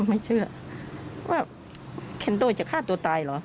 ไม่เชื่อว่าแคนโดจะฆ่าตัวตายเหรอ